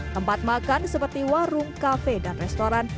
tempat makan seperti warung kafe dan restoran